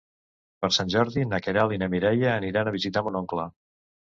Per Sant Jordi na Queralt i na Mireia aniran a visitar mon oncle.